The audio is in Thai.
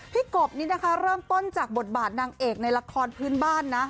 กบนี่นะคะเริ่มต้นจากบทบาทนางเอกในละครพื้นบ้านนะ